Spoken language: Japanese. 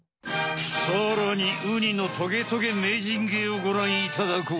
さらにウニのトゲトゲ名人芸をごらんいただこう。